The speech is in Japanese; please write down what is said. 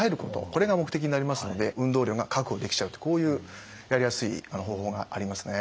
これが目的になりますので運動量が確保できちゃうとこういうやりやすい方法がありますね。